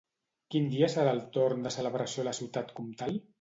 Quin dia serà el torn de celebració a la Ciutat Comtal?